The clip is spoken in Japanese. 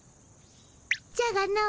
じゃがの。